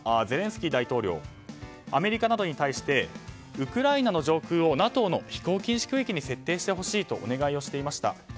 ゼレンスキー大統領アメリカなどに対してウクライナの上空をＮＡＴＯの飛行禁止区域に設定してほしいとお願いをしていました。